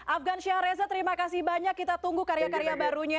afgan syahreza terima kasih banyak kita tunggu karya karya barunya